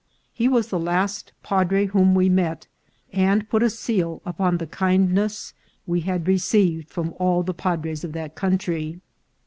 He was the last padre whom we met, and put a seal upon the kindness we had received from all the padres of that country.